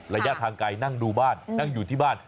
ระยะทางไกลนั่งดูบ้านนั่งอยู่ที่บ้าน